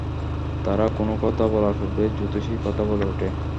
তারা কোন কথা বলার পূর্বেই জ্যোতিষী কথা বলে ওঠে।